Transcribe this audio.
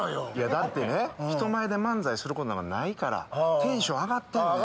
だってね人前で漫才することなんかないからテンション上がってんねん。